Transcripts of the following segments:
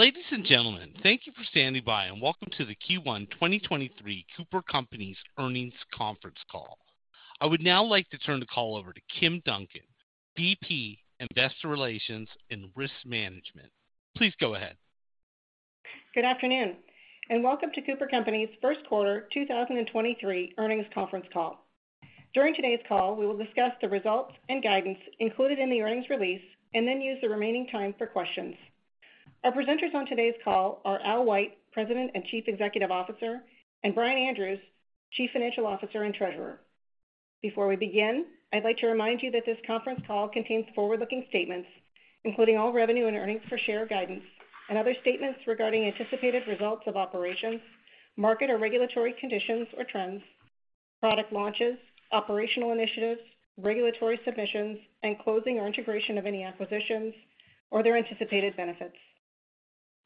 Ladies and gentlemen, thank you for standing by and welcome to the Q1 2023 CooperCompanies earnings conference call. I would now like to turn the call over to Kim Duncan, VP, Investor Relations and Risk Management. Please go ahead. Good afternoon, and welcome to CooperCompanies' first quarter 2023 earnings conference call. During today's call, we will discuss the results and guidance included in the earnings release and then use the remaining time for questions. Our presenters on today's call are Al White, President and Chief Executive Officer, and Brian Andrews, Chief Financial Officer and Treasurer. Before we begin, I'd like to remind you that this conference call contains forward-looking statements, including all revenue and earnings per share guidance and other statements regarding anticipated results of operations, market or regulatory conditions or trends, product launches, operational initiatives, regulatory submissions, and closing or integration of any acquisitions or their anticipated benefits.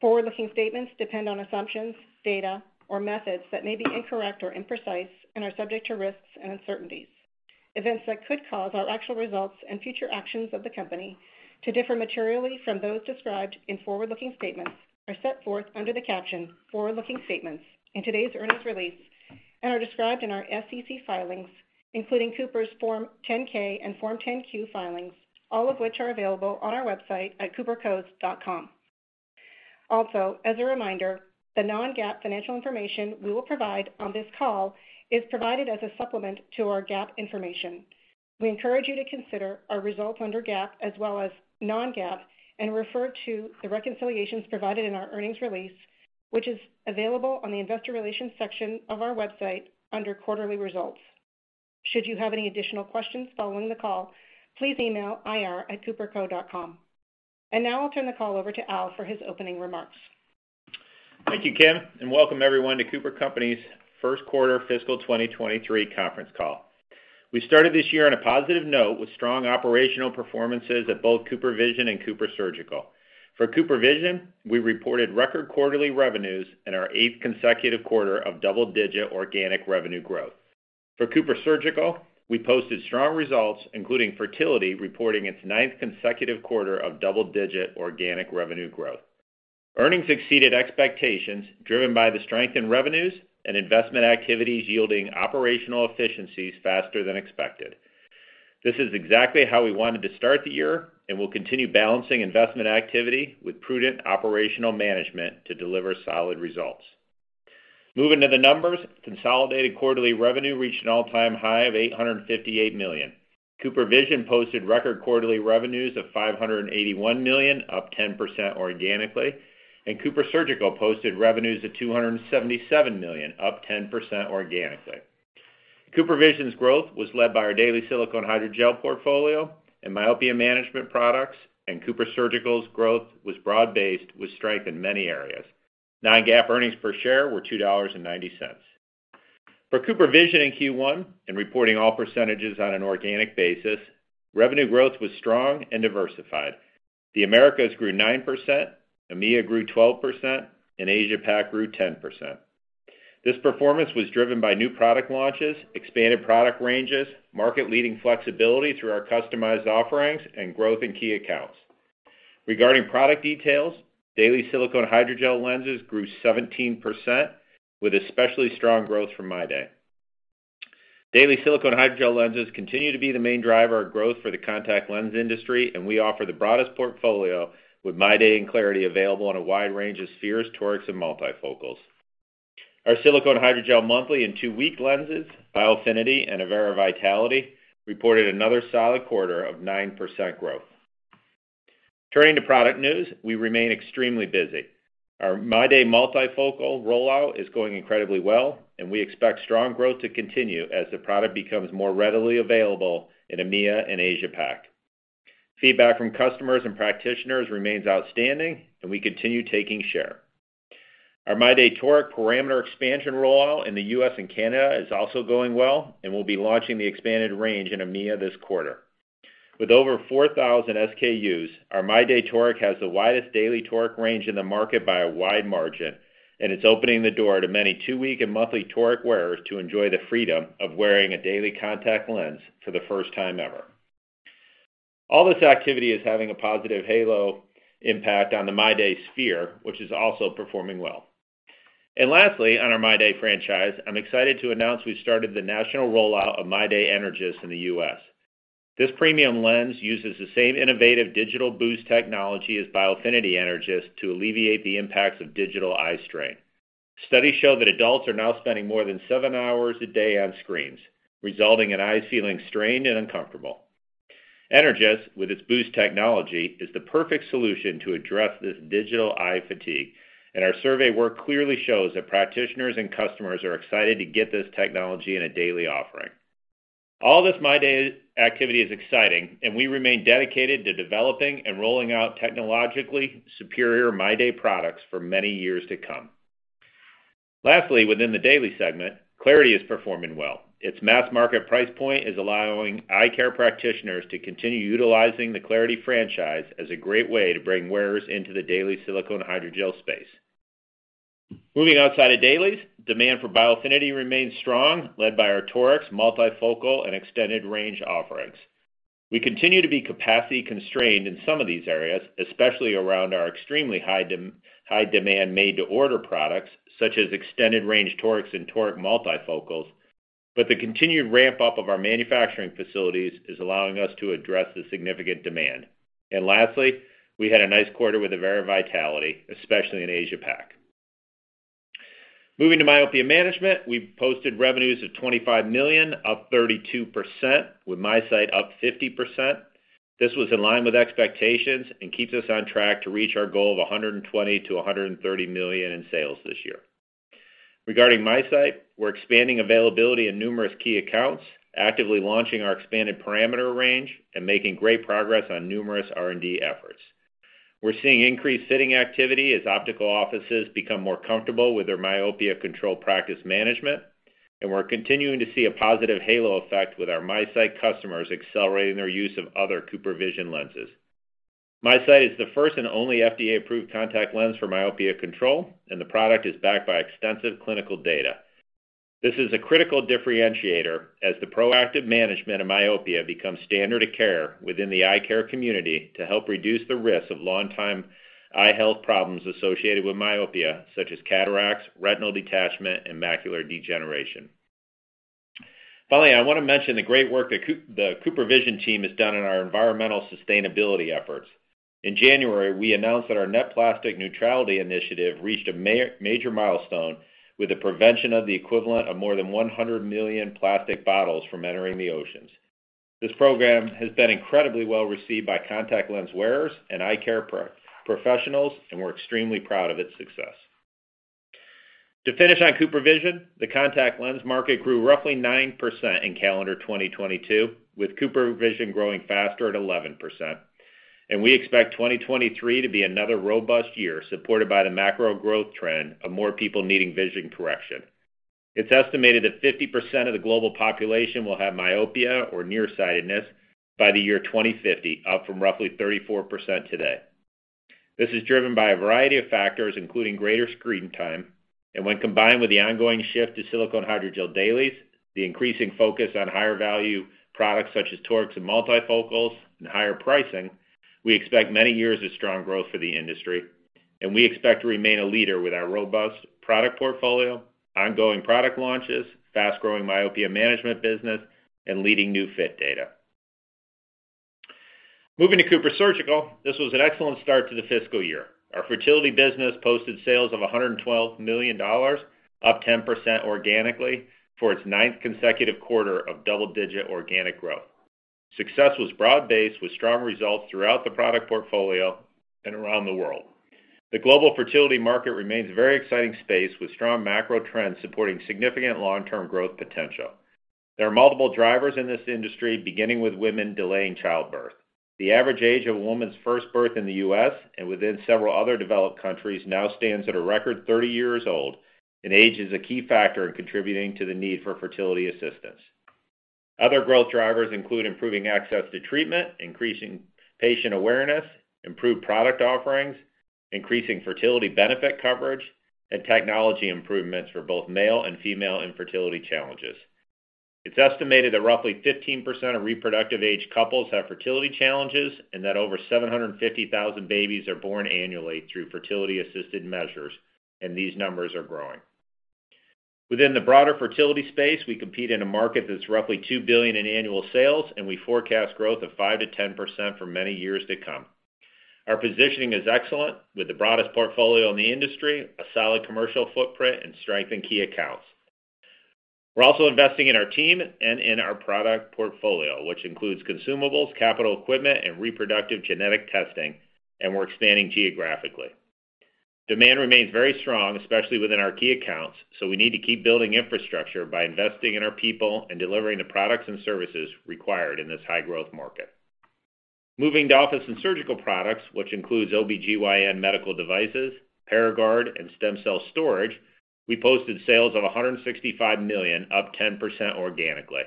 Forward-looking statements depend on assumptions, data, or methods that may be incorrect or imprecise and are subject to risks and uncertainties. Events that could cause our actual results and future actions of the company to differ materially from those described in forward-looking statements are set forth under the caption "Forward-Looking Statements" in today's earnings release and are described in our SEC filings, including Cooper's Form 10-K and Form 10-Q filings, all of which are available on our website at coopercos.com. Also, as a reminder, the non-GAAP financial information we will provide on this call is provided as a supplement to our GAAP information. We encourage you to consider our results under GAAP as well as non-GAAP and refer to the reconciliations provided in our earnings release, which is available on the investor relations section of our website under quarterly results. Should you have any additional questions following the call, please email ir@cooperco.com. Now I'll turn the call over to Al for his opening remarks. Thank you, Kim, and welcome everyone to CooperCompanies' first quarter fiscal 2023 conference call. We started this year on a positive note with strong operational performances at both CooperVision and CooperSurgical. For CooperVision, we reported record quarterly revenues in our eighth consecutive quarter of double-digit organic revenue growth. For CooperSurgical, we posted strong results, including fertility, reporting its ninth consecutive quarter of double-digit organic revenue growth. Earnings exceeded expectations driven by the strength in revenues and investment activities yielding operational efficiencies faster than expected. This is exactly how we wanted to start the year, and we'll continue balancing investment activity with prudent operational management to deliver solid results. Moving to the numbers, consolidated quarterly revenue reached an all-time high of $858 million. CooperVision posted record quarterly revenues of $581 million, up 10% organically, and CooperSurgical posted revenues of $277 million, up 10% organically. CooperVision's growth was led by our daily silicone hydrogel portfolio and myopia management products, and CooperSurgical's growth was broad-based with strength in many areas. Non-GAAP earnings per share were $2.90. For CooperVision in Q1, in reporting all percentages on an organic basis, revenue growth was strong and diversified. The Americas grew 9%, EMEA grew 12%, and Asia-Pac grew 10%. This performance was driven by new product launches, expanded product ranges, market-leading flexibility through our customized offerings, and growth in key accounts. Regarding product details, daily silicone hydrogel lenses grew 17% with especially strong growth from MyDay. Daily silicone hydrogel lenses continue to be the main driver of growth for the contact lens industry. We offer the broadest portfolio with MyDay and clariti available in a wide range of spheres, torics, and multifocals. Our silicone hydrogel monthly and two-week lenses, Biofinity and Avaira Vitality, reported another solid quarter of 9% growth. Turning to product news, we remain extremely busy. Our MyDay multifocal rollout is going incredibly well. We expect strong growth to continue as the product becomes more readily available in EMEA and Asia-Pac. Feedback from customers and practitioners remains outstanding. We continue taking share. Our MyDay toric parameter expansion rollout in the U.S. and Canada is also going well. We'll be launching the expanded range in EMEA this quarter. With over 4,000 SKU, our MyDay toric has the widest daily toric range in the market by a wide margin, and it's opening the door to many 2-week and monthly toric wearers to enjoy the freedom of wearing a daily contact lens for the first time ever. All this activity is having a positive halo impact on the MyDay sphere, which is also performing well. Lastly, on our MyDay franchise, I'm excited to announce we started the national rollout of MyDay energys in the U.S. This premium lens uses the same innovative DigitalBoost technology as Biofinity energys to alleviate the impacts of digital eye strain. Studies show that adults are now spending more than 7 hours a day on screens, resulting in eyes feeling strained and uncomfortable. Energys, with its boost technology, is the perfect solution to address this digital eye fatigue, and our survey work clearly shows that practitioners and customers are excited to get this technology in a daily offering. All this MyDay activity is exciting, and we remain dedicated to developing and rolling out technologically superior MyDay products for many years to come. Lastly, within the daily segment, clariti is performing well. Its mass market price point is allowing eye care practitioners to continue utilizing the clariti franchise as a great way to bring wearers into the daily silicone hydrogel space. Moving outside of dailies, demand for Biofinity remains strong, led by our torics, multifocal, and extended range offerings. We continue to be capacity constrained in some of these areas, especially around our extremely high demand made to order products, such as extended range torics and toric multifocals, the continued ramp-up of our manufacturing facilities is allowing us to address the significant demand. Lastly, we had a nice quarter with Avaira Vitality, especially in Asia Pac. Moving to myopia management. We posted revenues of $25 million, up 32%, with MiSight up 50%. This was in line with expectations and keeps us on track to reach our goal of $120 million-$130 million in sales this year. Regarding MiSight, we're expanding availability in numerous key accounts, actively launching our expanded parameter range, and making great progress on numerous R&D efforts. We're seeing increased fitting activity as optical offices become more comfortable with their myopia control practice management, and we're continuing to see a positive halo effect with our MiSight customers accelerating their use of other CooperVision lenses. MiSight is the first and only FDA-approved contact lens for myopia control, and the product is backed by extensive clinical data. This is a critical differentiator as the proactive management of myopia becomes standard of care within the eye care community to help reduce the risk of long-time eye health problems associated with myopia, such as cataracts, retinal detachment, and macular degeneration. I wanna mention the great work the CooperVision team has done in our environmental sustainability efforts. In January, we announced that our Net Plastic Neutrality initiative reached a major milestone with the prevention of the equivalent of more than 100 million plastic bottles from entering the oceans. This program has been incredibly well-received by contact lens wearers and eye care professionals. We're extremely proud of its success. To finish on CooperVision, the contact lens market grew roughly 9% in calendar 2022, with CooperVision growing faster at 11%. We expect 2023 to be another robust year, supported by the macro growth trend of more people needing vision correction. It's estimated that 50% of the global population will have myopia or nearsightedness by the year 2050, up from roughly 34% today. This is driven by a variety of factors, including greater screen time, and when combined with the ongoing shift to silicone hydrogel dailies, the increasing focus on higher value products such as torics and multifocals and higher pricing, we expect many years of strong growth for the industry, and we expect to remain a leader with our robust product portfolio, ongoing product launches, fast-growing myopia management business, and leading new fit data. Moving to CooperSurgical, this was an excellent start to the fiscal year. Our fertility business posted sales of $112 million, up 10% organically for its ninth consecutive quarter of double-digit organic growth. Success was broad-based, with strong results throughout the product portfolio and around the world. The global fertility market remains a very exciting space, with strong macro trends supporting significant long-term growth potential. There are multiple drivers in this industry, beginning with women delaying childbirth. The average age of a woman's first birth in the U.S. and within several other developed countries now stands at a record 30 years old, and age is a key factor in contributing to the need for fertility assistance. Other growth drivers include improving access to treatment, increasing patient awareness, improved product offerings, increasing fertility benefit coverage, and technology improvements for both male and female infertility challenges. It's estimated that roughly 15% of reproductive age couples have fertility challenges, and that over 750,000 babies are born annually through fertility assisted measures, and these numbers are growing. Within the broader fertility space, we compete in a market that's roughly $2 billion in annual sales, and we forecast growth of 5%-10% for many years to come. Our positioning is excellent, with the broadest portfolio in the industry, a solid commercial footprint, and strength in key accounts. We're also investing in our team and in our product portfolio, which includes consumables, capital equipment, and reproductive genetic testing, and we're expanding geographically. Demand remains very strong, especially within our key accounts. We need to keep building infrastructure by investing in our people and delivering the products and services required in this high-growth market. Moving to office and surgical products, which includes OBGYN medical devices, Paragard, and stem cell storage, we posted sales of $165 million, up 10% organically.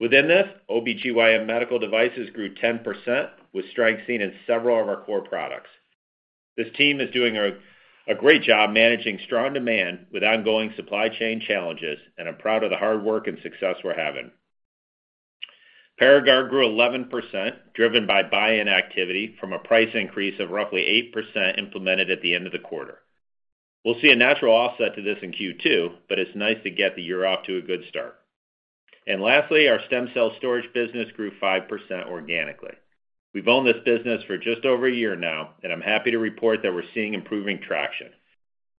Within this, OBGYN medical devices grew 10%, with strength seen in several of our core products. This team is doing a great job managing strong demand with ongoing supply chain challenges. I'm proud of the hard work and success we're having. Paragard grew 11%, driven by buy-in activity from a price increase of roughly 8% implemented at the end of the quarter. We'll see a natural offset to this in Q2, but it's nice to get the year off to a good start. Lastly, our stem cell storage business grew 5% organically. We've owned this business for just over a year now, and I'm happy to report that we're seeing improving traction.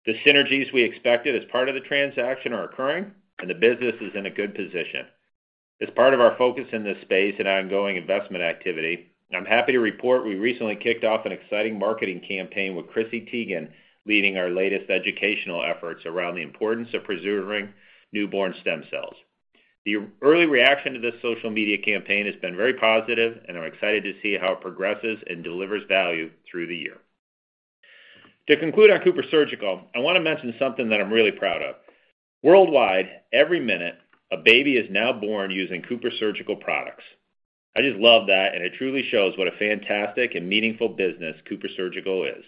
The synergies we expected as part of the transaction are occurring, and the business is in a good position. As part of our focus in this space and ongoing investment activity, I'm happy to report we recently kicked off an exciting marketing campaign with Chrissy Teigen leading our latest educational efforts around the importance of preserving newborn stem cells. The early reaction to this social media campaign has been very positive, and I'm excited to see how it progresses and delivers value through the year. To conclude on CooperSurgical, I wanna mention something that I'm really proud of. Worldwide, every minute a baby is now born using CooperSurgical products. I just love that, and it truly shows what a fantastic and meaningful business CooperSurgical is.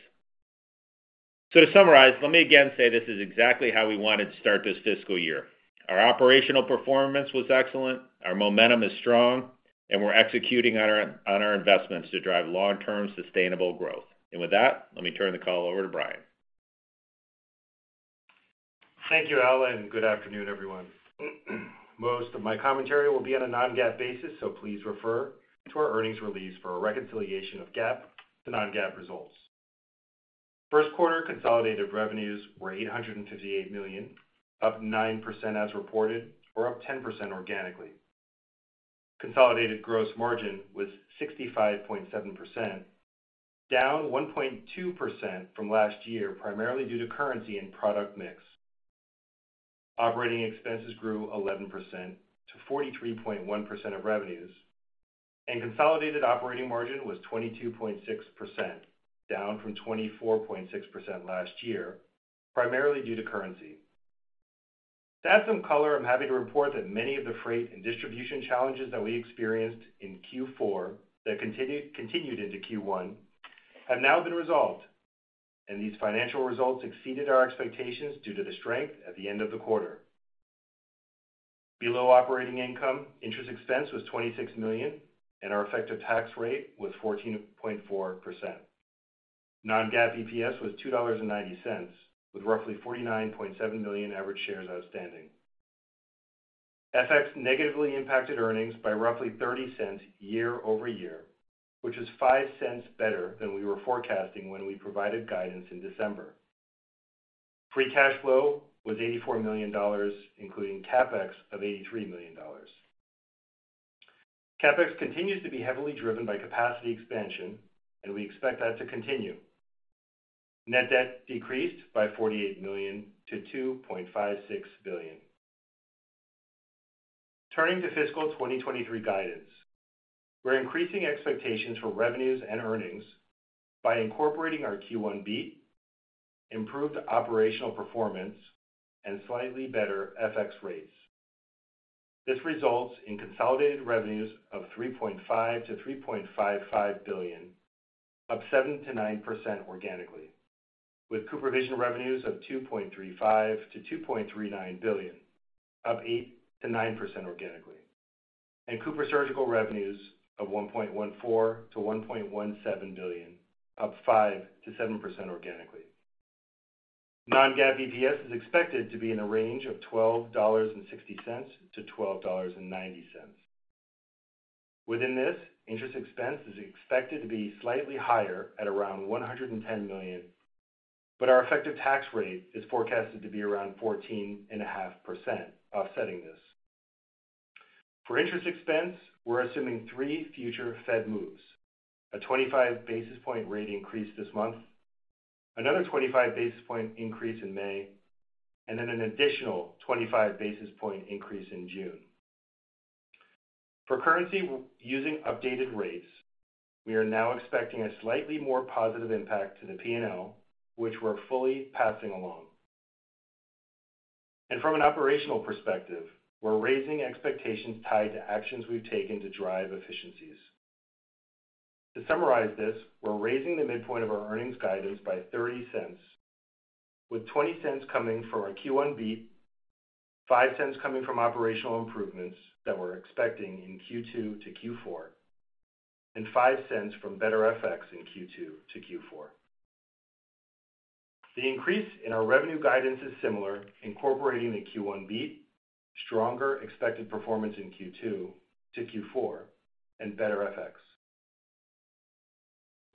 To summarize, let me again say this is exactly how we wanted to start this fiscal year. Our operational performance was excellent. Our momentum is strong, and we're executing on our investments to drive long-term sustainable growth. With that, let me turn the call over to Brian. Thank you, Al. Good afternoon, everyone. Most of my commentary will be on a non-GAAP basis, so please refer to our earnings release for a reconciliation of GAAP to non-GAAP results. First quarter consolidated revenues were $858 million, up 9% as reported, or up 10% organically. Consolidated gross margin was 65.7%, down 1.2% from last year, primarily due to currency and product mix. Operating expenses grew 11% to 43.1% of revenues, consolidated operating margin was 22.6%, down from 24.6% last year, primarily due to currency. To add some color, I'm happy to report that many of the freight and distribution challenges that we experienced in Q4 that continued into Q1 have now been resolved, and these financial results exceeded our expectations due to the strength at the end of the quarter. Below operating income, interest expense was $26 million, and our effective tax rate was 14.4%. Non-GAAP EPS was $2.90, with roughly 49.7 million average shares outstanding. FX negatively impacted earnings by roughly $0.30 year-over-year, which is $0.05 better than we were forecasting when we provided guidance in December. Free cash flow was $84 million, including CapEx of $83 million. CapEx continues to be heavily driven by capacity expansion, and we expect that to continue. Net debt decreased by $48 million to $2.56 billion. Turning to fiscal 2023 guidance, we're increasing expectations for revenues and earnings by incorporating our Q1 beat, improved operational performance, and slightly better FX rates. This results in consolidated revenues of $3.5 billion-$3.55 billion, up 7%-9% organically, with CooperVision revenues of $2.35 billion-$2.39 billion, up 8%-9% organically, and CooperSurgical revenues of $1.14 billion-$1.17 billion, up 5%-7% organically. non-GAAP EPS is expected to be in a range of $12.60-$12.90. Within this, interest expense is expected to be slightly higher at around $110 million, but our effective tax rate is forecasted to be around 14.5% offsetting this. For interest expense, we're assuming three future Fed moves: a 25 basis point rate increase this month, another 25 basis point increase in May, and then an additional 25 basis point increase in June. For currency using updated rates, we are now expecting a slightly more positive impact to the P&L, which we're fully passing along. From an operational perspective, we're raising expectations tied to actions we've taken to drive efficiencies. To summarize this, we're raising the midpoint of our earnings guidance by $0.30, with $0.20 coming from our Q1 beat, $0.05 coming from operational improvements that we're expecting in Q2-Q4, and $0.05 from better FX in Q2-Q4. The increase in our revenue guidance is similar, incorporating the Q1 beat, stronger expected performance in Q2 to Q4, and better FX.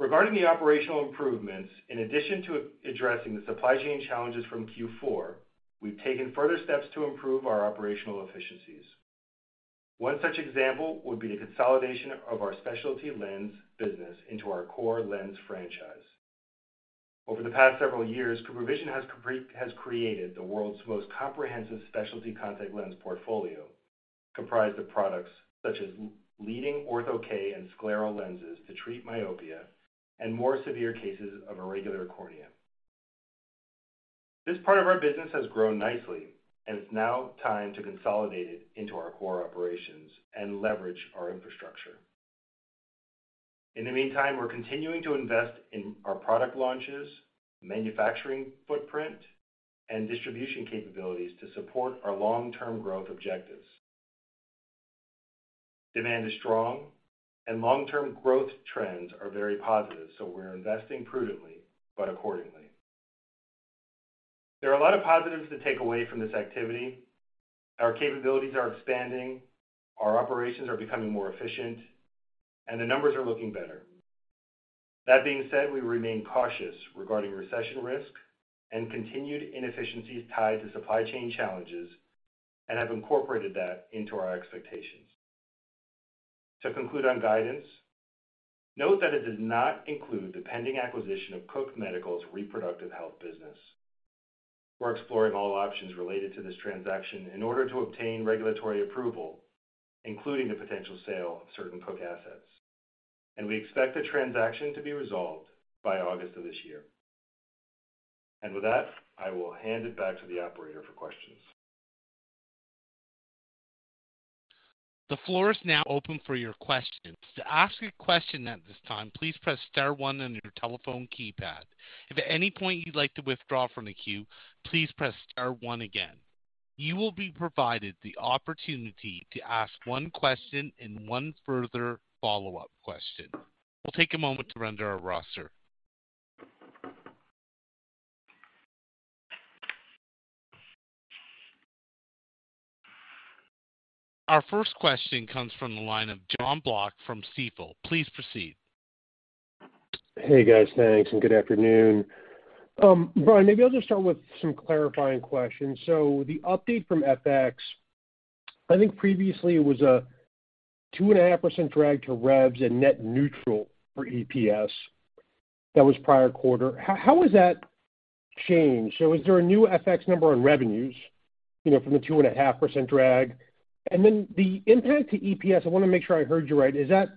Regarding the operational improvements, in addition to addressing the supply chain challenges from Q4, we've taken further steps to improve our operational efficiencies. One such example would be the consolidation of our specialty lens business into our core lens franchise. Over the past several years, CooperVision has created the world's most comprehensive specialty contact lens portfolio, comprised of products such as leading ortho-k and scleral lenses to treat myopia and more severe cases of irregular cornea. This part of our business has grown nicely. It's now time to consolidate it into our core operations and leverage our infrastructure. In the meantime, we're continuing to invest in our product launches, manufacturing footprint, and distribution capabilities to support our long-term growth objectives. Demand is strong and long-term growth trends are very positive. We're investing prudently but accordingly. There are a lot of positives to take away from this activity. Our capabilities are expanding, our operations are becoming more efficient, and the numbers are looking better. That being said, we remain cautious regarding recession risk and continued inefficiencies tied to supply chain challenges and have incorporated that into our expectations. To conclude on guidance, note that it does not include the pending acquisition of Cook Medical's reproductive health business. We're exploring all options related to this transaction in order to obtain regulatory approval, including the potential sale of certain Cook assets. We expect the transaction to be resolved by August of this year. With that, I will hand it back to the operator for questions. The floor is now open for your questions. To ask a question at this time, please press star one on your telephone keypad. If at any point you'd like to withdraw from the queue, please press star one again. You will be provided the opportunity to ask one question and one further follow-up question. We'll take a moment to render our roster. Our first question comes from the line of Jon Block from Stifel. Please proceed. Hey, guys. Thanks, good afternoon. Brian, maybe I'll just start with some clarifying questions. The update from FX, I think previously it was a 2.5% drag to revs and net neutral for EPS. That was prior quarter. How has that changed? Is there a new FX number on revenues, you know, from the 2.5% drag? The impact to EPS, I wanna make sure I heard you right, is that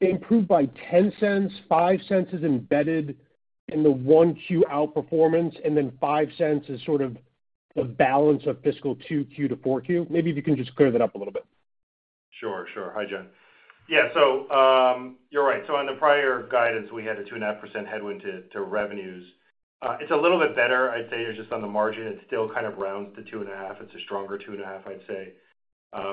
improved by $0.10, $0.05 is embedded in the 1Q outperformance, and then $0.05 is sort of the balance of fiscal 2Q-4Q? Maybe if you can just clear that up a little bit. Sure, sure. Hi, Jon. Yeah. You're right. On the prior guidance, we had a 2.5% headwind to revenues. It's a little bit better. I'd say you're just on the margin. It still kind of rounds to 2.5. It's a stronger 2.5, I'd say,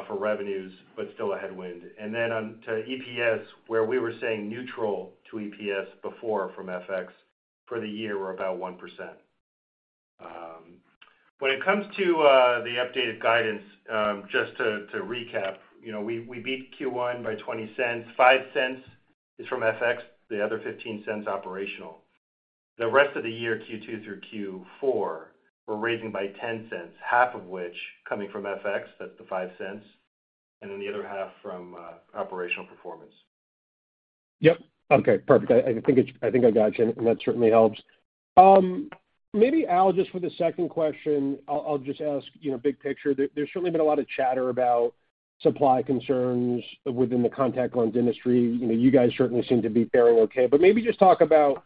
for revenues, but still a headwind. On to EPS, where we were saying neutral to EPS before from FX for the year were about 1%. When it comes to the updated guidance, just to recap, you know, we beat Q1 by $0.20. $0.05 is from FX, the other $0.15 operational. The rest of the year, Q2 through Q4, we're raising by $0.10, half of which coming from FX, that's the $0.05, the other half from operational performance. Yep. Okay. Perfect. I think I got you, and that certainly helps. Maybe Al, just for the second question, I'll just ask, you know, big picture. There, there's certainly been a lot of chatter about supply concerns within the contact lens industry. You know, you guys certainly seem to be faring okay. Maybe just talk about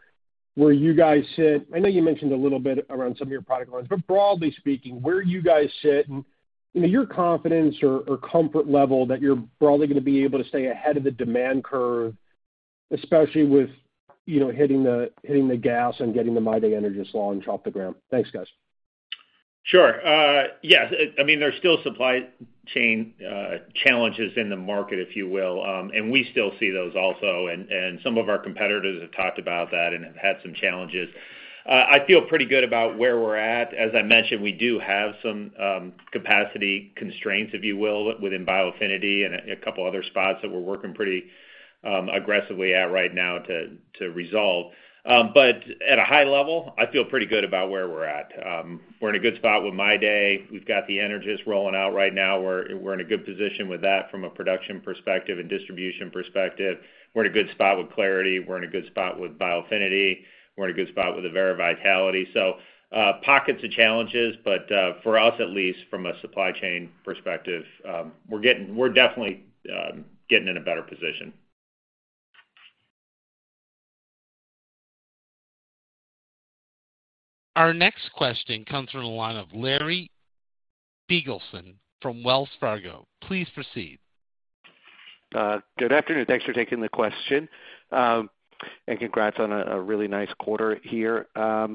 where you guys sit. I know you mentioned a little bit around some of your product lines, but broadly speaking, where you guys sit and, you know, your confidence or comfort level that you're broadly gonna be able to stay ahead of the demand curve, especially with, you know, hitting the gas and getting the MyDay energys launched off the ground. Thanks, guys. Sure. Yes. I mean, there are still supply chain challenges in the market, if you will. We still see those also, and some of our competitors have talked about that and have had some challenges. I feel pretty good about where we're at. As I mentioned, we do have some capacity constraints, if you will, within Biofinity and a couple other spots that we're working pretty aggressively at right now to resolve. At a high level, I feel pretty good about where we're at. We're in a good spot with MyDay. We've got the Energys rolling out right now. We're in a good position with that from a production perspective and distribution perspective. We're in a good spot with clariti. We're in a good spot with Biofinity. We're in a good spot with Avaira Vitality. Pockets of challenges, but for us, at least from a supply chain perspective, we're definitely getting in a better position. Our next question comes from the line of Larry Biegelsen from Wells Fargo. Please proceed. Good afternoon. Thanks for taking the question. Congrats on a really nice quarter here, guys.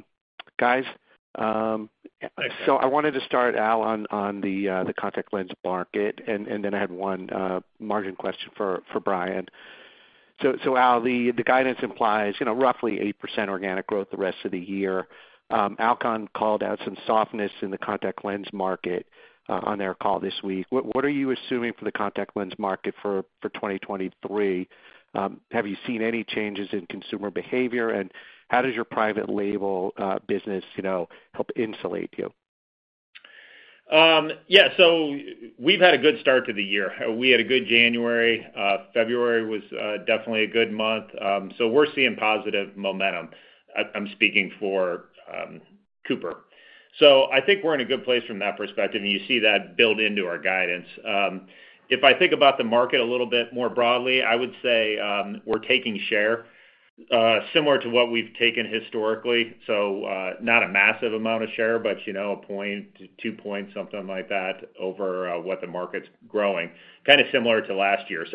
Thanks. I wanted to start, Al, on the contact lens market, and then I had one margin question for Brian. Al, the guidance implies, you know, roughly 8% organic growth the rest of the year. Alcon called out some softness in the contact lens market on their call this week. What, what are you assuming for the contact lens market for 2023? Have you seen any changes in consumer behavior, and how does your private label business, you know, help insulate you? Yeah. We've had a good start to the year. We had a good January. February was definitely a good month. We're seeing positive momentum. I'm speaking for Cooper. I think we're in a good place from that perspective, and you see that build into our guidance. If I think about the market a little bit more broadly, I would say, we're taking share, similar to what we've taken historically. Not a massive amount of share, but, you know, 1 point-2 points, something like that over what the market's growing, kinda similar to last year.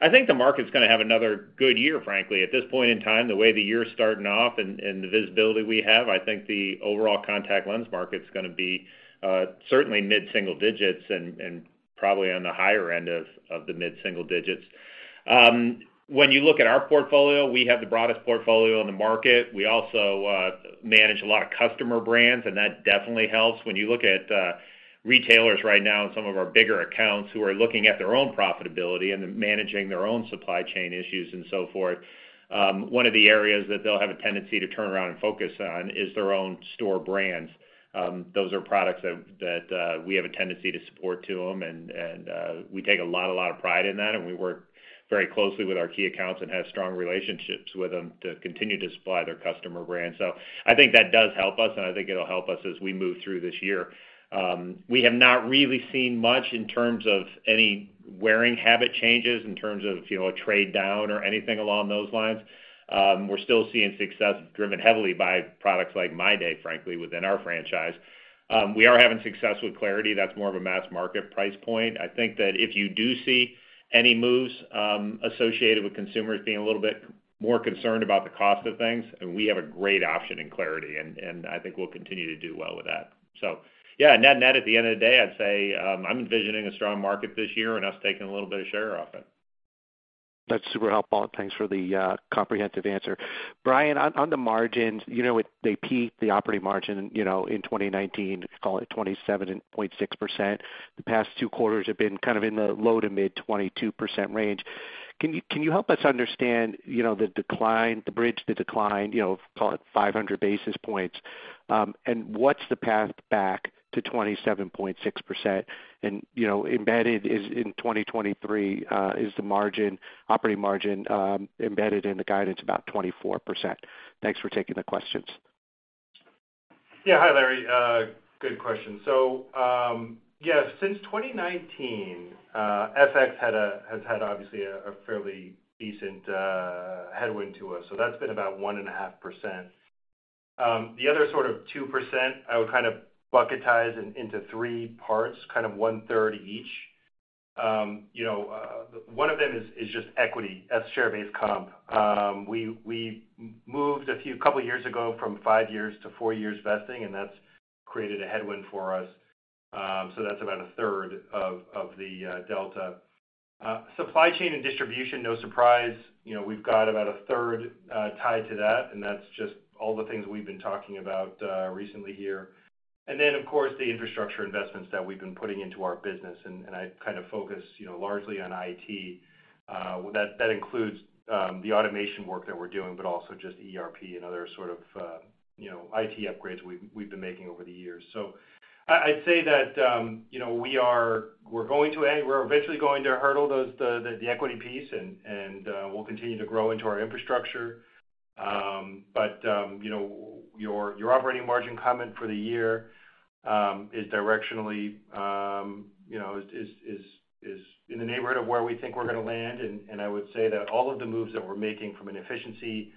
I think the market's gonna have another good year, frankly. At this point in time, the way the year's starting off and the visibility we have, I think the overall contact lens market's gonna be certainly mid-single digits and probably on the higher end of the mid-single digits. When you look at our portfolio, we have the broadest portfolio in the market. We also manage a lot of customer brands, and that definitely helps. When you look at retailers right now and some of our bigger accounts who are looking at their own profitability and managing their own supply chain issues and so forth, one of the areas that they'll have a tendency to turn around and focus on is their own store brands. Those are products that we have a tendency to support to them, and we take a lot of pride in that, and we work very closely with our key accounts and have strong relationships with them to continue to supply their customer brands. I think that does help us, and I think it'll help us as we move through this year. We have not really seen much in terms of any wearing habit changes in terms of, you know, a trade-down or anything along those lines. We're still seeing success driven heavily by products like MyDay, frankly, within our franchise. We are having success with clariti. That's more of a mass-market price point. I think that if you do see any moves, associated with consumers being a little bit more concerned about the cost of things, then we have a great option in clariti, and I think we'll continue to do well with that. Yeah. Net-net, at the end of the day, I'd say, I'm envisioning a strong market this year and us taking a little bit of share of it. That's super helpful, and thanks for the comprehensive answer. Brian, on the margins, you know, they peaked the operating margin, you know, in 2019, let's call it 27.6%. The past 2 quarters have been kind of in the low- to mid-22% range. Can you help us understand, you know, the decline, the bridge, the decline, you know, call it 500 basis points? What's the path back to 27.6%? You know, embedded is in 2023, is the margin, operating margin, embedded in the guidance about 24%. Thanks for taking the questions. Yeah. Hi, Larry. Good question. Yes, since 2019, FX has had obviously a fairly decent headwind to us, that's been about 1.5%. The other sort of 2% I would kind of bucketize into three parts, kind of one-third each. You know, one of them is just equity. That's share-based comp. We moved a few couple years ago from 5 years to 4 years vesting, that's created a headwind for us. That's about a third of the delta. Supply chain and distribution, no surprise. You know, we've got about a third tied to that's just all the things we've been talking about recently here. Of course, the infrastructure investments that we've been putting into our business, and I kind of focus, you know, largely on IT. That includes the automation work that we're doing, but also just ERP and other sort of, you know, IT upgrades we've been making over the years. I'd say that, you know, we're eventually going to hurdle those, the equity piece and we'll continue to grow into our infrastructure. You know, your operating margin comment for the year, is directionally, you know, is in the neighborhood of where we think we're gonna land. I would say that all of the moves that we're making from an efficiency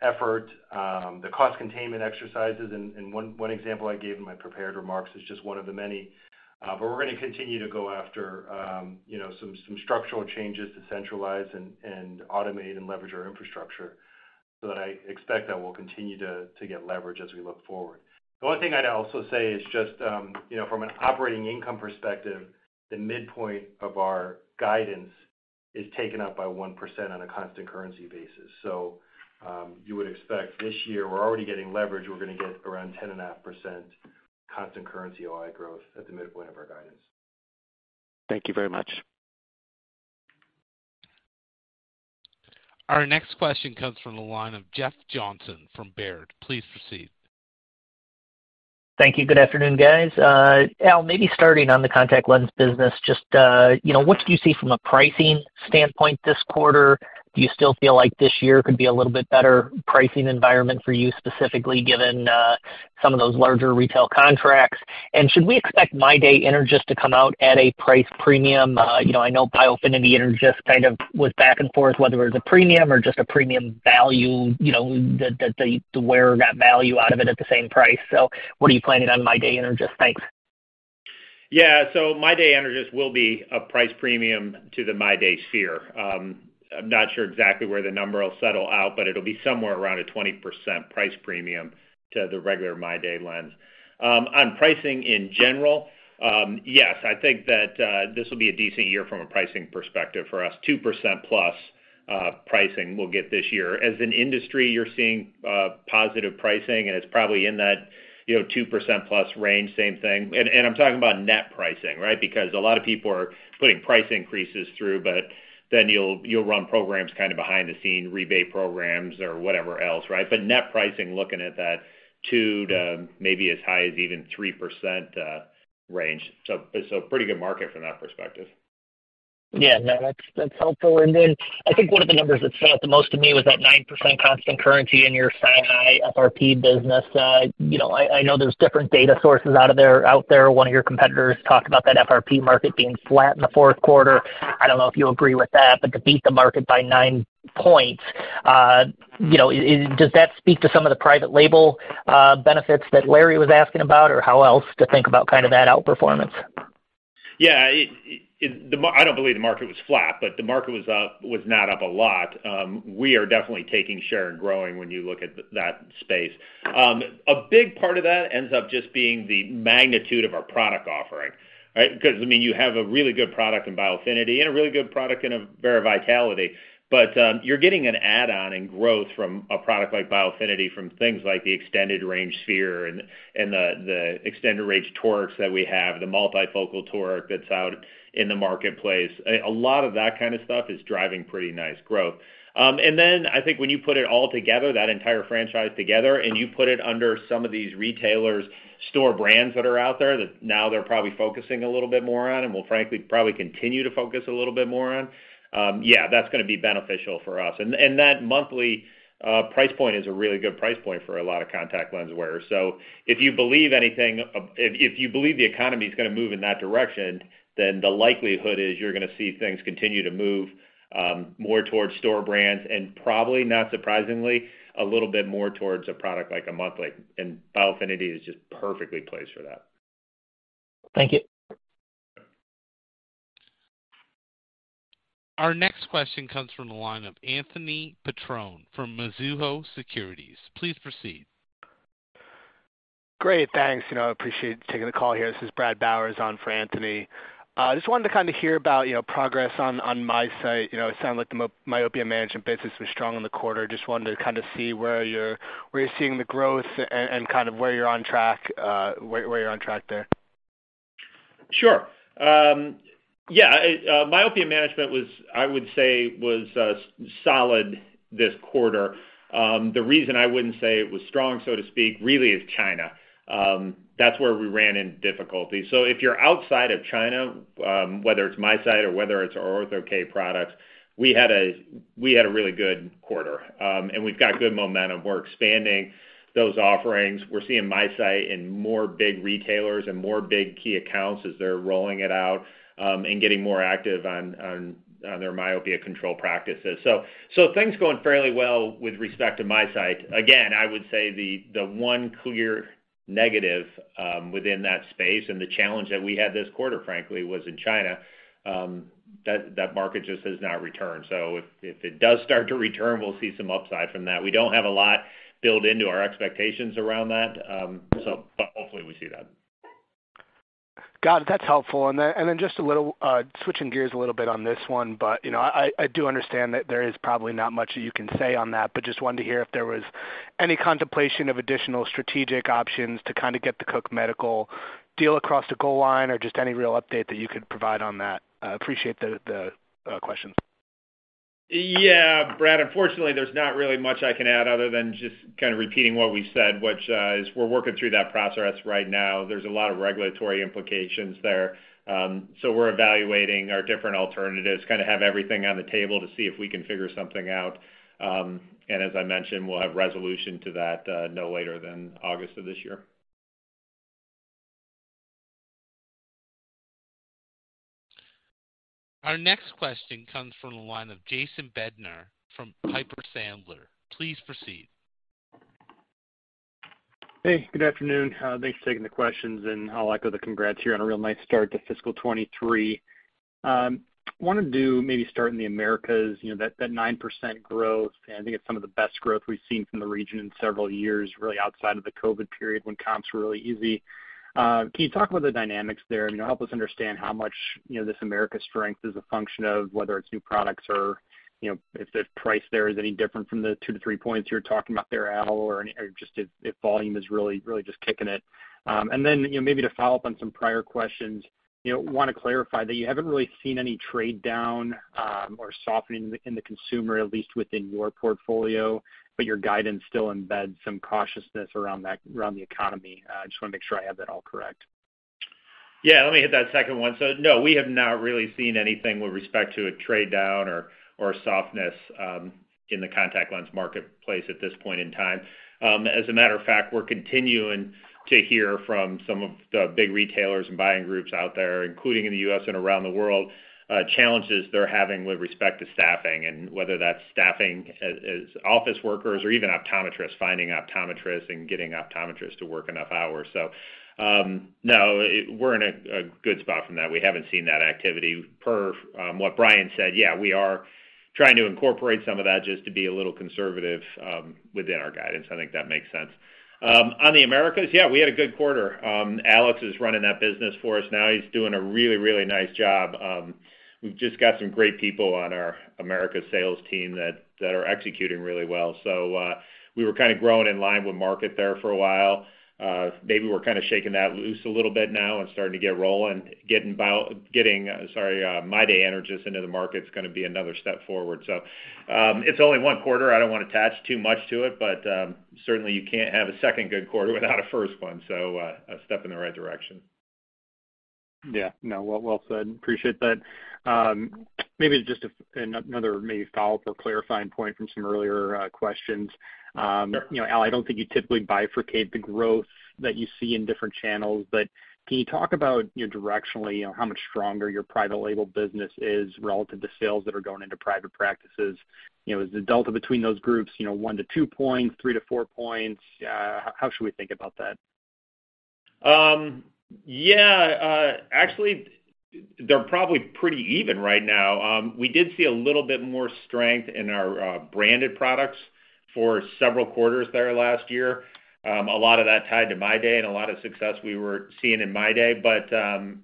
effort, the cost containment exercises, and one example I gave in my prepared remarks is just one of the many. We're gonna continue to go after, you know, some structural changes to centralize and automate and leverage our infrastructure. I expect that we'll continue to get leverage as we look forward. The one thing I'd also say is just, you know, from an operating income perspective, the midpoint of our guidance is taken up by 1% on a constant currency basis. You would expect this year we're already getting leverage. We're gonna get around 10.5% constant currency OI growth at the midpoint of our guidance. Thank you very much. Our next question comes from the line of Jeff Johnson from Baird. Please proceed. Thank you. Good afternoon, guys. Al, maybe starting on the contact lens business, just, you know, what do you see from a pricing standpoint this quarter? Do you still feel like this year could be a little bit better pricing environment for you specifically, given, some of those larger retail contracts? Should we expect MyDay energys to come out at a price premium? You know, I know Biofinity Energys kind of was back and forth, whether it was a premium or just a premium value, you know, the wearer got value out of it at the same price. What are you planning on MyDay energys? Thanks. MyDay Energys will be a price premium to the MyDay Sphere. I'm not sure exactly where the number will settle out, but it'll be somewhere around a 20% price premium to the regular MyDay lens. On pricing in general, yes, I think that this will be a decent year from a pricing perspective for us, 2%+ pricing we'll get this year. As an industry, you're seeing positive pricing, and it's probably in that, you know, 2%+ range, same thing. I'm talking about net pricing, right? A lot of people are putting price increases through, you'll run programs kind of behind the scene, rebate programs or whatever else, right? Net pricing, looking at that 2%-3% range. It's a pretty good market from that perspective. Yeah. No, that's helpful. Then I think one of the numbers that stood out the most to me was that 9% constant currency in your Shanghai fertility business. You know, I know there's different data sources out there. One of your competitors talked about that FRP market being flat in the fourth quarter. I don't know if you agree with that, to beat the market by 9 points, you know, does that speak to some of the private label benefits that Larry was asking about? How else to think about kind of that outperformance? Yeah, I don't believe the market was flat, but the market was up, was not up a lot. We are definitely taking share and growing when you look at that space. A big part of that ends up just being the magnitude of our product offering, right? Because, I mean, you have a really good product in Biofinity and a really good product in Avaira Vitality. You're getting an add-on in growth from a product like Biofinity from things like the extended range sphere and the extended range torics that we have, the multifocal toric that's out in the marketplace. A lot of that kind of stuff is driving pretty nice growth. I think when you put it all together, that entire franchise together, and you put it under some of these retailers store brands that are out there that now they're probably focusing a little bit more on, and will frankly probably continue to focus a little bit more on, that's gonna be beneficial for us. That monthly price point is a really good price point for a lot of contact lens wearers. If you believe the economy is gonna move in that direction, then the likelihood is you're gonna see things continue to move more towards store brands and probably not surprisingly, a little bit more towards a product like a monthly, Biofinity is just perfectly placed for that. Thank you. Our next question comes from the line of Anthony Petrone from Mizuho Securities. Please proceed. Great. Thanks. You know, I appreciate taking the call here. This is Brad Bowers on for Anthony. Just wanted to kind of hear about, you know, progress on MiSight. You know, it sounded like the myopia management business was strong in the quarter. Just wanted to kind of see where you're, where you're seeing the growth and kind of where you're on track, where you're on track there. Sure. Yeah, myopia management was, I would say was solid this quarter. The reason I wouldn't say it was strong, so to speak, really is China. That's where we ran into difficulty. If you're outside of China, whether it's MiSight or whether it's ortho-k products, we had a really good quarter. We've got good momentum. We're expanding those offerings. We're seeing MiSight in more big retailers and more big key accounts as they're rolling it out and getting more active on their myopia control practices. Things are going fairly well with respect to MiSight. I would say the one clear negative within that space and the challenge that we had this quarter, frankly, was in China, that market just has not returned. if it does start to return, we'll see some upside from that. We don't have a lot built into our expectations around that. but hopefully we see that. Got it. That's helpful. Just a little switching gears a little bit on this one. You know, I do understand that there is probably not much that you can say on that, but just wanted to hear if there was any contemplation of additional strategic options to kind of get the Cook Medical deal across the goal line or just any real update that you could provide on that. I appreciate the question. Yeah, Brad, unfortunately, there's not really much I can add other than just kind of repeating what we said, which, is we're working through that process right now. There's a lot of regulatory implications there. We're evaluating our different alternatives, kind of have everything on the table to see if we can figure something out. As I mentioned, we'll have resolution to that, no later than August of this year. Our next question comes from the line of Jason Bednar from Piper Sandler. Please proceed. Hey, good afternoon. Thanks for taking the questions, and I'll echo the congrats here on a real nice start to fiscal 2023. Wanted to maybe start in the Americas. You know, that 9% growth, I think it's some of the best growth we've seen from the region in several years, really outside of the COVID period when comps were really easy. Can you talk about the dynamics there? You know, help us understand how much, you know, this America strength is a function of whether it's new products or, you know, if the price there is any different from the 2-3 points you're talking about there, Al, or just if volume is really just kicking it. You know, maybe to follow up on some prior questions, you know, wanna clarify that you haven't really seen any trade down, or softening in the consumer, at least within your portfolio, but your guidance still embeds some cautiousness around the economy. Just wanna make sure I have that all correct. Yeah, let me hit that second one. No, we have not really seen anything with respect to a trade down or softness in the contact lens marketplace at this point in time. As a matter of fact, we're continuing to hear from some of the big retailers and buying groups out there, including in the U.S. and around the world, challenges they're having with respect to staffing, and whether that's staffing as office workers or even optometrists, finding optometrists and getting optometrists to work enough hours. No, we're in a good spot from that. We haven't seen that activity per what Brian said. Yeah, we are trying to incorporate some of that just to be a little conservative within our guidance. I think that makes sense. On the Americas, yeah, we had a good quarter. Alex is running that business for us now. He's doing a really nice job. We've just got some great people on our America sales team that are executing really well. We were kind of growing in line with market there for a while. Maybe we're kind of shaking that loose a little bit now and starting to get rolling, getting MyDay energys into the market is gonna be another step forward. It's only one quarter. I don't wanna attach too much to it, but certainly you can't have a second good quarter without a first one. A step in the right direction. No. Well, well said. Appreciate that. Maybe just another maybe follow-up or clarifying point from some earlier questions. you know, Al, I don't think you typically bifurcate the growth that you see in different channels, but can you talk about, you know, directionally, you know, how much stronger your private label business is relative to sales that are going into private practices? You know, is the delta between those groups, you know, 1-2 points, 3-4 points? How should we think about that? Actually they're probably pretty even right now. We did see a little bit more strength in our branded products for several quarters there last year. A lot of that tied to MyDay and a lot of success we were seeing in MyDay.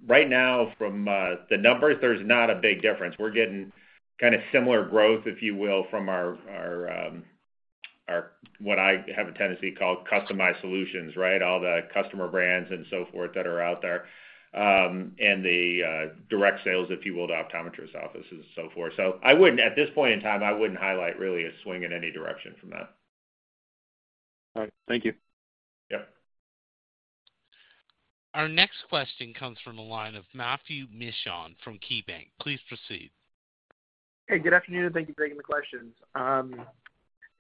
Right now from the numbers, there's not a big difference. We're getting kind of similar growth, if you will, from our what I have a tendency to call customized solutions, right? All the customer brands and so forth that are out there, and the direct sales, if you will, to optometrists' offices and so forth. At this point in time, I wouldn't highlight really a swing in any direction from that. All right. Thank you. Yep. Our next question comes from the line of Matthew Mishan from KeyBanc. Please proceed. Hey, good afternoon, and thank you for taking the questions. I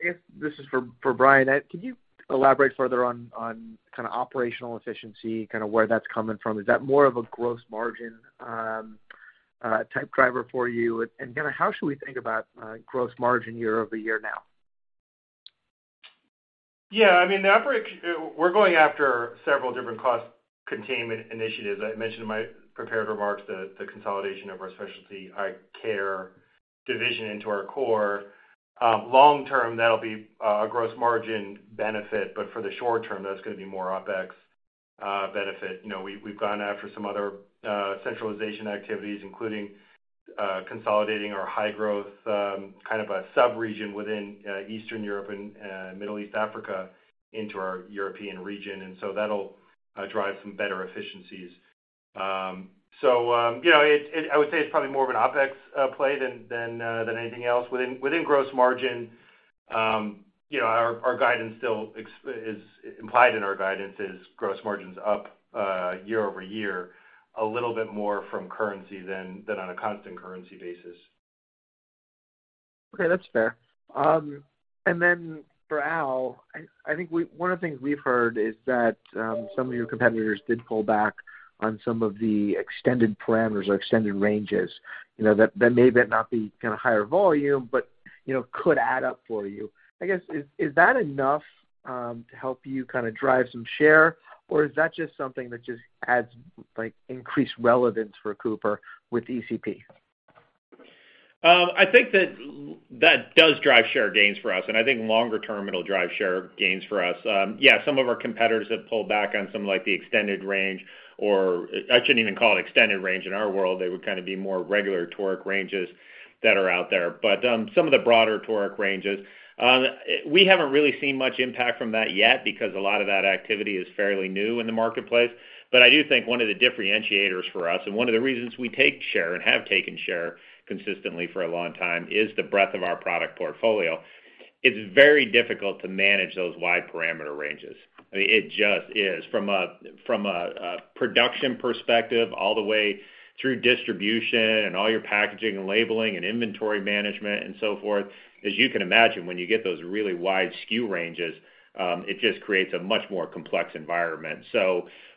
guess this is for Brian. Can you elaborate further on kind of operational efficiency, kind of where that's coming from? Is that more of a gross margin type driver for you? Kind of how should we think about gross margin year-over-year now? Yeah, I mean, we're going after several different cost containment initiatives. I mentioned in my prepared remarks the consolidation of our specialty eye care division into our core. Long term, that'll be a gross margin benefit, but for the short term, that's gonna be more OpEx benefit. You know, we've gone after some other centralization activities, including consolidating our high-growth kind of a sub-region within Eastern Europe and Middle East Africa into our European region. That'll drive some better efficiencies. You know, I would say it's probably more of an OpEx play than anything else. Within gross margin, you know, our guidance still implied in our guidance is gross margins up year-over-year, a little bit more from currency than on a constant currency basis. Okay. That's fair. For Al, I think one of the things we've heard is that some of your competitors did pull back on some of the extended parameters or extended ranges. You know, that may then not be kind of higher volume, but, you know, could add up for you. I guess, is that enough to help you kind of drive some share, or is that just something that just adds, like, increased relevance for Cooper with ECP? I think that that does drive share gains for us, and I think longer term, it'll drive share gains for us. Yeah, some of our competitors have pulled back on some, like the extended range or... I shouldn't even call it extended range. In our world, they would kind of be more regular torque ranges that are out there. Some of the broader torque ranges. We haven't really seen much impact from that yet because a lot of that activity is fairly new in the marketplace. I do think one of the differentiators for us, and one of the reasons we take share and have taken share consistently for a long time, is the breadth of our product portfolio. It's very difficult to manage those wide parameter ranges. I mean, it just is. From a production perspective all the way through distribution and all your packaging and labeling and inventory management and so forth, as you can imagine, when you get those really wide SKU ranges, it just creates a much more complex environment.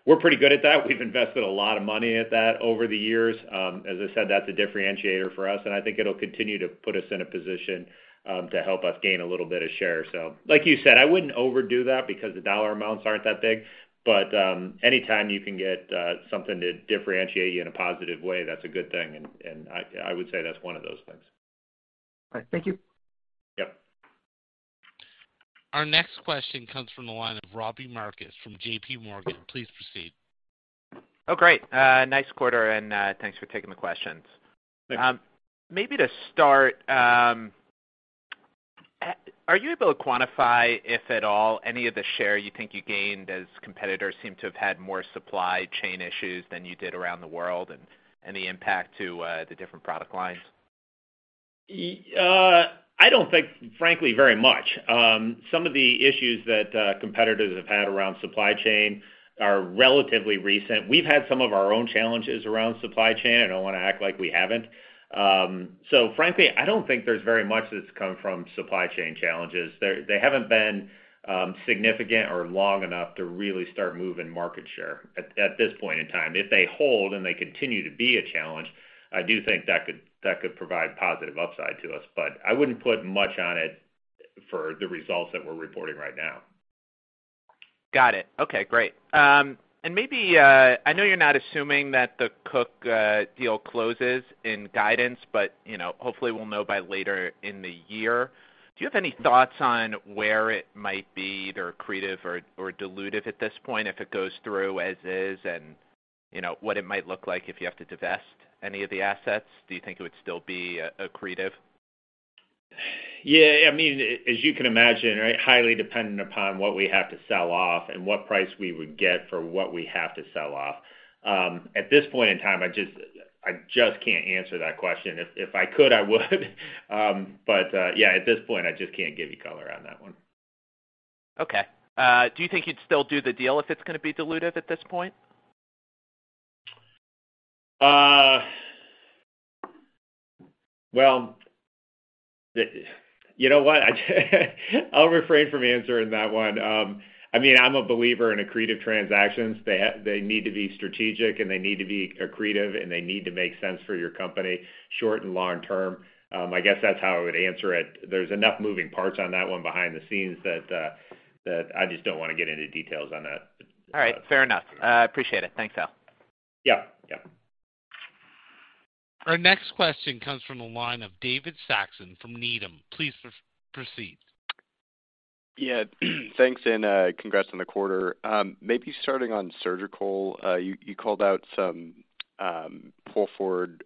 We're pretty good at that. We've invested a lot of money at that over the years. As I said, that's a differentiator for us, and I think it'll continue to put us in a position to help us gain a little bit of share. Like you said, I wouldn't overdo that because the dollar amounts aren't that big. anytime you can get something to differentiate you in a positive way, that's a good thing. I would say that's one of those things. All right. Thank you. Yep. Our next question comes from the line of Robbie Marcus from JPMorgan. Please proceed. Oh, great. Nice quarter, and, thanks for taking the questions. Thanks. Maybe to start, are you able to quantify, if at all, any of the share you think you gained as competitors seem to have had more supply chain issues than you did around the world and the impact to the different product lines? I don't think, frankly, very much. Some of the issues that competitors have had around supply chain are relatively recent. We've had some of our own challenges around supply chain. I don't wanna act like we haven't. Frankly, I don't think there's very much that's come from supply chain challenges. They haven't been significant or long enough to really start moving market share at this point in time. If they hold and they continue to be a challenge, I do think that could provide positive upside to us. I wouldn't put much on it for the results that we're reporting right now. Got it. Okay, great. Maybe, I know you're not assuming that the Cook deal closes in guidance, but, you know, hopefully we'll know by later in the year. Do you have any thoughts on where it might be either accretive or dilutive at this point if it goes through as is and, you know, what it might look like if you have to divest any of the assets? Do you think it would still be accretive? I mean, as you can imagine, right, highly dependent upon what we have to sell off and what price we would get for what we have to sell off. At this point in time, I just can't answer that question. If I could, I would. At this point, I just can't give you color on that one. Okay. Do you think you'd still do the deal if it's gonna be dilutive at this point? Well, you know what? I'll refrain from answering that one. I mean, I'm a believer in accretive transactions. They need to be strategic, and they need to be accretive, and they need to make sense for your company, short and long term. I guess that's how I would answer it. There's enough moving parts on that one behind the scenes that I just don't wanna get into details on that. All right. Fair enough. appreciate it. Thanks, Al. Yeah. Yeah. Our next question comes from the line of David Saxon from Needham. Please proceed. Yeah. Thanks, and congrats on the quarter. Maybe starting on surgical. You called out some pull forward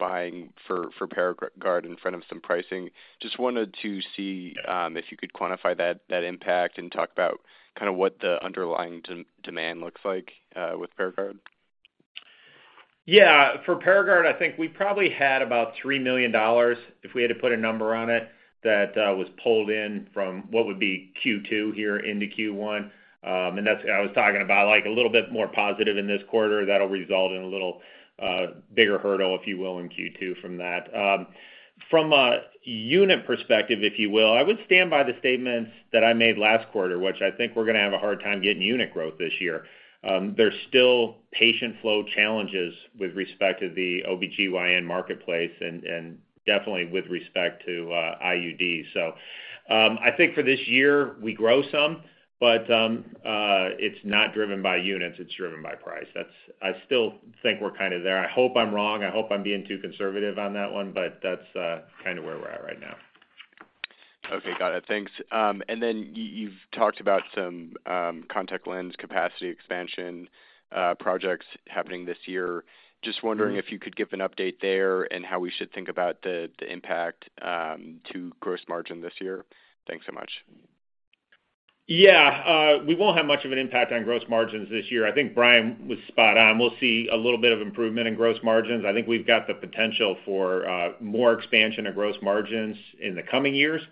buying for Paragard in front of some pricing. Just wanted to see if you could quantify that impact and talk about kind of what the underlying demand looks like with Paragard. Yeah. For Paragard, I think we probably had about $3 million, if we had to put a number on it, that was pulled in from what would be Q2 here into Q1. That's I was talking about, like, a little bit more positive in this quarter that'll result in a little bigger hurdle, if you will, in Q2 from that. From a unit perspective, if you will, I would stand by the statements that I made last quarter, which I think we're gonna have a hard time getting unit growth this year. There's still patient flow challenges with respect to the OBGYN marketplace and definitely with respect to IUDs. I think for this year, we grow some, but it's not driven by units. It's driven by price. I still think we're kind of there. I hope I'm wrong. I hope I'm being too conservative on that one. That's kind of where we're at right now. Okay. Got it. Thanks. You've talked about some contact lens capacity expansion projects happening this year. Just wondering. Mm-hmm. If you could give an update there and how we should think about the impact, to gross margin this year. Thanks so much. Yeah. We won't have much of an impact on gross margins this year. I think Brian was spot on. We'll see a little bit of improvement in gross margins. I think we've got the potential for more expansion of gross margins in the coming years.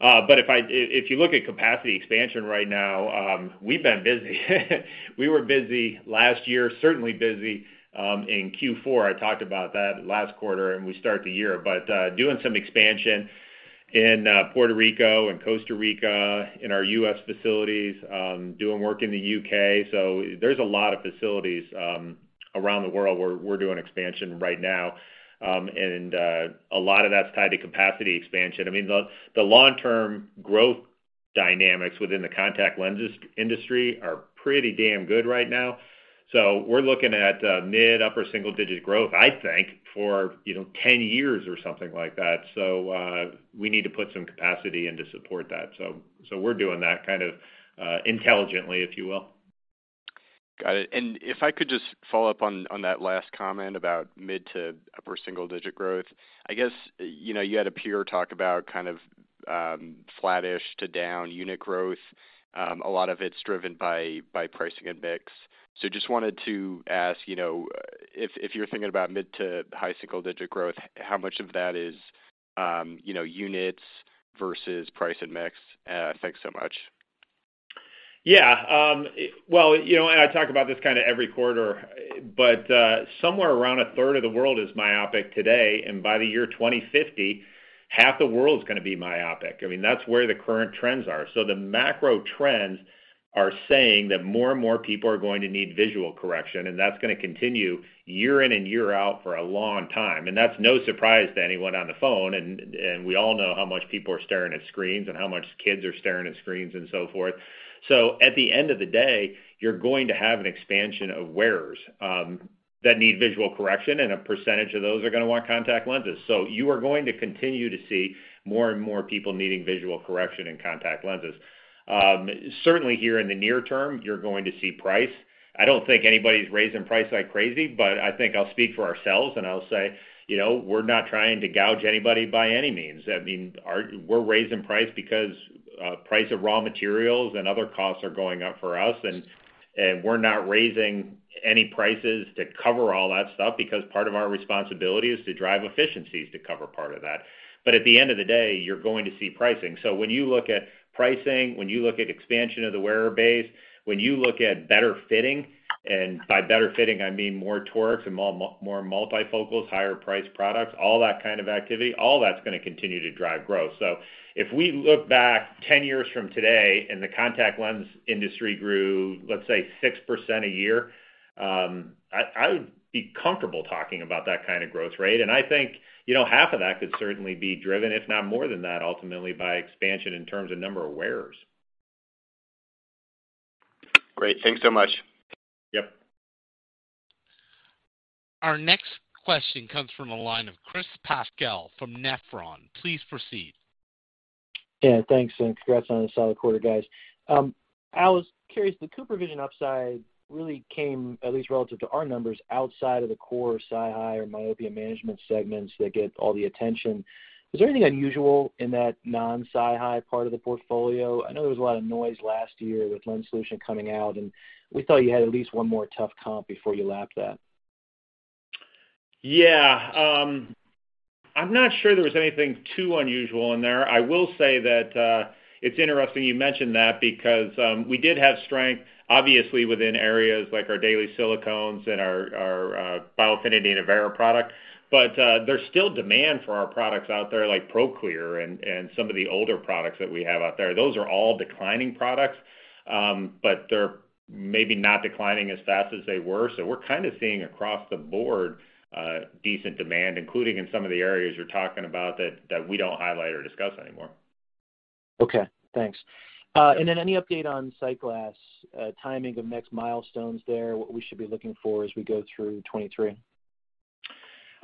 If you look at capacity expansion right now, we've been busy. We were busy last year, certainly busy in Q4. I talked about that last quarter, and we start the year, but doing some expansion in Puerto Rico and Costa Rica, in our U.S. facilities, doing work in the U.K. There's a lot of facilities around the world where we're doing expansion right now. A lot of that's tied to capacity expansion. I mean, the long-term growth dynamics within the contact lenses industry are pretty damn good right now. We're looking at mid upper single-digit growth, I think, for, you know, 10 years or something like that. We need to put some capacity in to support that. We're doing that kind of intelligently, if you will. Got it. If I could just follow up on that last comment about mid to upper single-digit growth. I guess, you know, you had a peer talk about kind of flattish to down unit growth. A lot of it's driven by pricing and mix. Just wanted to ask, you know, if you're thinking about mid to high single-digit growth, how much of that is, you know, units versus price and mix? Thanks so much. Well, you know, I talk about this kinda every quarter, somewhere around a third of the world is myopic today, by the year 2050, half the world's gonna be myopic. I mean, that's where the current trends are. The macro trends are saying that more and more people are going to need visual correction, that's gonna continue year in and year out for a long time. That's no surprise to anyone on the phone, and we all know how much people are staring at screens and how much kids are staring at screens and so forth. At the end of the day, you're going to have an expansion of wearers that need visual correction, a percentage of those are gonna want contact lenses. You are going to continue to see more and more people needing visual correction and contact lenses. Certainly here in the near term, you're going to see price. I don't think anybody's raising price like crazy, but I think I'll speak for ourselves and I'll say, you know, we're not trying to gouge anybody by any means. I mean, we're raising price because price of raw materials and other costs are going up for us, and we're not raising any prices to cover all that stuff because part of our responsibility is to drive efficiencies to cover part of that. But at the end of the day, you're going to see pricing. When you look at pricing, when you look at expansion of the wearer base, when you look at better fitting, and by better fitting, I mean more Torics and more multifocals, higher priced products, all that kind of activity, all that's gonna continue to drive growth. If we look back 10 years from today and the contact lens industry grew, let's say, 6% a year, I would be comfortable talking about that kind of growth rate. I think, you know, half of that could certainly be driven, if not more than that, ultimately, by expansion in terms of number of wearers. Great. Thanks so much. Yep. Our next question comes from the line of Chris Pasquale from Nephron. Please proceed. Yeah, thanks, congrats on a solid quarter, guys. Al, I was curious, the CooperVision upside really came, at least relative to our numbers, outside of the core SiHy or myopia management segments that get all the attention. Was there anything unusual in that non-SiHy part of the portfolio? I know there was a lot of noise last year with lens solution coming out, we thought you had at least one more tough comp before you lapped that. Yeah. I'm not sure there was anything too unusual in there. I will say that it's interesting you mention that because we did have strength, obviously, within areas like our daily silicones and our Biofinity and Avaira product. There's still demand for our products out there like Proclear and some of the older products that we have out there. Those are all declining products, but they're maybe not declining as fast as they were. We're kinda seeing across the board decent demand, including in some of the areas you're talking about that we don't highlight or discuss anymore. Okay, thanks. Any update on SightGlass, timing of next milestones there, what we should be looking for as we go through 2023?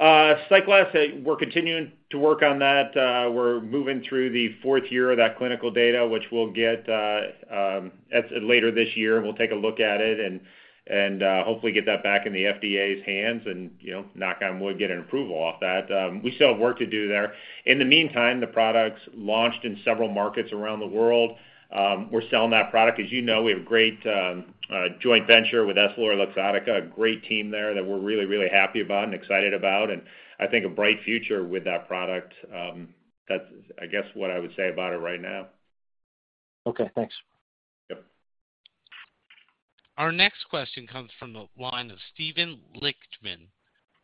SightGlass, we're continuing to work on that. We're moving through the fourth year of that clinical data, which we'll get later this year. We'll take a look at it and hopefully get that back in the FDA's hands and, you know, knock on wood, get an approval off that. We still have work to do there. In the meantime, the product's launched in several markets around the world. We're selling that product. As you know, we have a great joint venture with EssilorLuxottica, a great team there that we're really, really happy about and excited about, and I think a bright future with that product. That's, I guess, what I would say about it right now. Okay, thanks. Yep. Our next question comes from the line of Steve Lichtman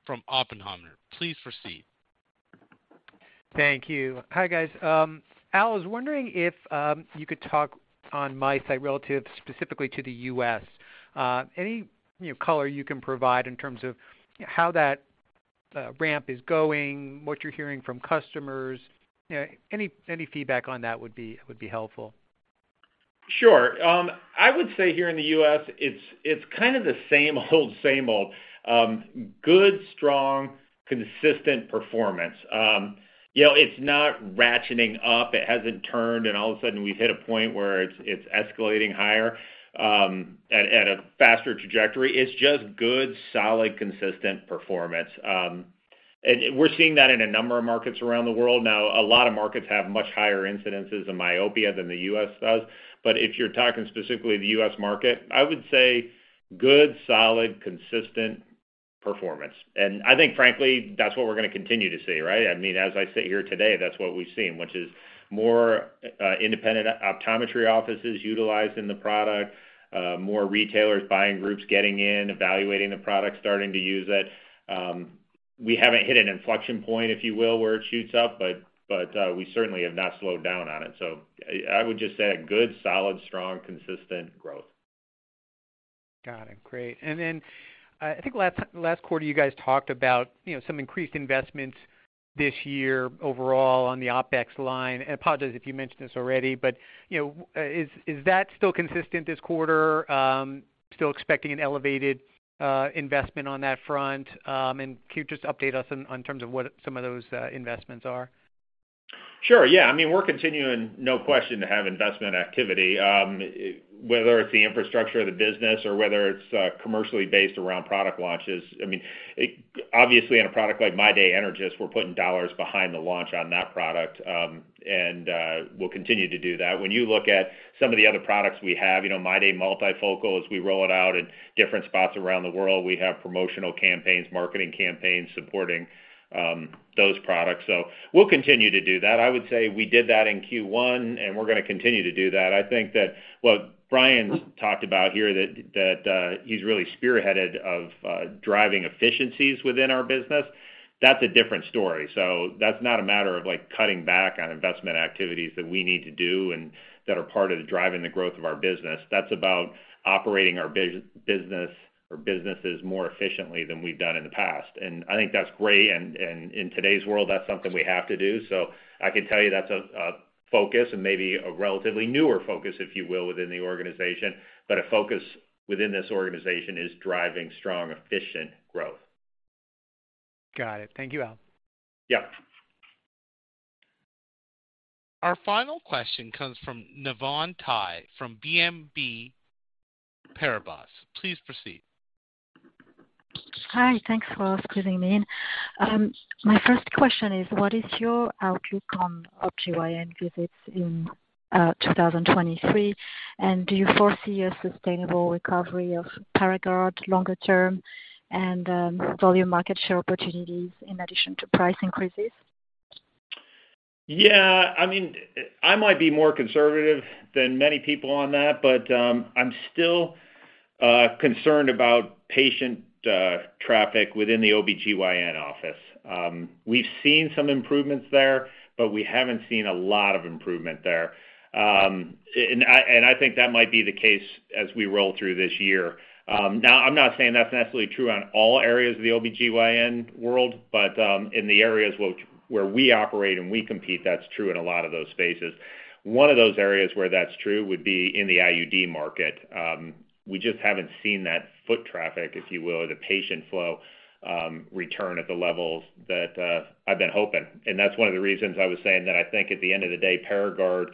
from Oppenheimer. Please proceed. Thank you. Hi, guys. Al, I was wondering if you could talk on MiSight relative specifically to the U.S. Any, you know, color you can provide in terms of how that ramp is going, what you're hearing from customers? You know, any feedback on that would be helpful. Sure. I would say here in the US, it's kind of the same old, same old. Good, strong, consistent performance. You know, it's not ratcheting up. It hasn't turned and all of a sudden we've hit a point where it's escalating higher at a faster trajectory. It's just good, solid, consistent performance. We're seeing that in a number of markets around the world. Now, a lot of markets have much higher incidences of myopia than the US does. If you're talking specifically the US market, I would say good, solid, consistent performance. I think frankly, that's what we're gonna continue to see, right? I mean, as I sit here today, that's what we've seen, which is more independent optometry offices utilizing the product, more retailers, buying groups getting in, evaluating the product, starting to use it. We haven't hit an inflection point, if you will, where it shoots up, but, we certainly have not slowed down on it. I would just say a good, solid, strong, consistent growth. Got it. Great. Then I think last quarter, you guys talked about, you know, some increased investments this year overall on the OpEx line. I apologize if you mentioned this already, you know, is that still consistent this quarter? Still expecting an elevated investment on that front? Can you just update us on terms of what some of those investments are? Sure. Yeah. I mean, we're continuing, no question, to have investment activity, whether it's the infrastructure of the business or whether it's commercially based around product launches. I mean, obviously in a product like MyDay energys, we're putting dollars behind the launch on that product, and we'll continue to do that. When you look at some of the other products we have, you know, MyDay multifocal, as we roll it out in different spots around the world, we have promotional campaigns, marketing campaigns supporting those products. We'll continue to do that. I would say we did that in Q1, and we're gonna continue to do that. I think that what Brian talked about here that he's really spearheaded of driving efficiencies within our business. That's a different story. That's not a matter of, like, cutting back on investment activities that we need to do and that are part of driving the growth of our business. That's about operating our business or businesses more efficiently than we've done in the past. I think that's great. In today's world, that's something we have to do. I can tell you that's a focus and maybe a relatively newer focus, if you will, within the organization. A focus within this organization is driving strong, efficient growth. Got it. Thank you, Al. Yep. Our final question comes from Navann Ty from BNP Paribas. Please proceed. Hi. Thanks for squeezing me in. My first question is, what is your outlook on OBGYN visits in 2023? Do you foresee a sustainable recovery of Paragard longer term and volume market share opportunities in addition to price increases? Yeah. I mean, I might be more conservative than many people on that, but, I'm still concerned about patient traffic within the OBGYN office. We've seen some improvements there, but we haven't seen a lot of improvement there. I think that might be the case as we roll through this year. I'm not saying that's necessarily true on all areas of the OBGYN world, but in the areas where we operate and we compete, that's true in a lot of those spaces. One of those areas where that's true would be in the IUD market. We just haven't seen that foot traffic, if you will, or the patient flow, return at the levels that I've been hoping. That's one of the reasons I was saying that I think at the end of the day, Paragard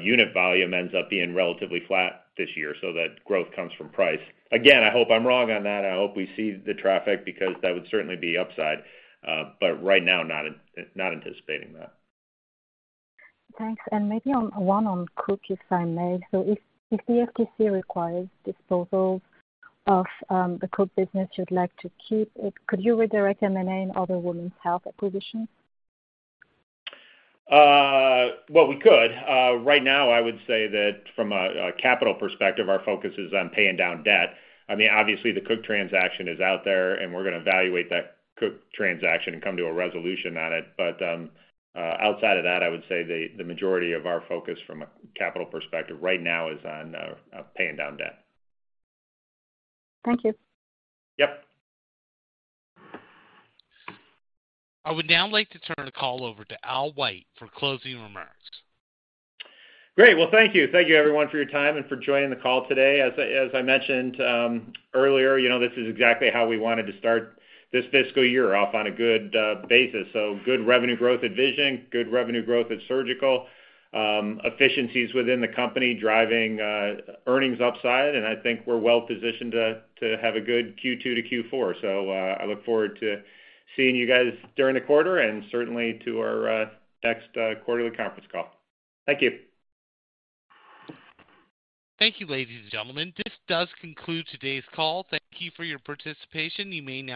unit volume ends up being relatively flat this year, so that growth comes from price. I hope I'm wrong on that. I hope we see the traffic because that would certainly be upside. Right now, not anticipating that. Thanks. Maybe one on Cook, if I may. If the FTC requires disposal of the Cook business you'd like to keep, could you redirect M&A in other women's health acquisitions? Well, we could. Right now, I would say that from a capital perspective, our focus is on paying down debt. I mean, obviously the Cook transaction is out there, and we're gonna evaluate that Cook transaction and come to a resolution on it. Outside of that, I would say the majority of our focus from a capital perspective right now is on paying down debt. Thank you. Yep. I would now like to turn the call over to Al White for closing remarks. Great. Well, thank you. Thank you, everyone, for your time and for joining the call today. As I mentioned, earlier, you know, this is exactly how we wanted to start this fiscal year off on a good basis. Good revenue growth at Vision, good revenue growth at Surgical, efficiencies within the company driving earnings upside, and I think we're well-positioned to have a good Q2-Q4. I look forward to seeing you guys during the quarter and certainly to our next quarterly conference call. Thank you. Thank you, ladies and gentlemen. This does conclude today's call. Thank you for your participation. You may now disconnect.